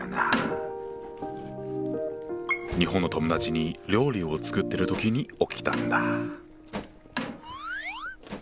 日本の友達に料理を作ってる時に起きたんだ。